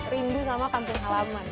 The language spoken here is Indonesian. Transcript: rindu sama kampung halaman